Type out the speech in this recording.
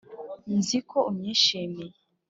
nzi ko unyishimiye.